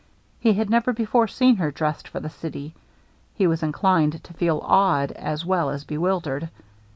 He had never before seen her dressed for the city. He was inclined to feel awed as well as bewildered.